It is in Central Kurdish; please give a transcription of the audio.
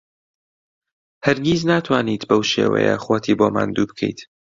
هەرگیز ناتوانیت بەو شێوەیە خۆتی بۆ ماندوو بکەیت.